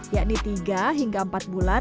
yakni tiga hingga empat bulan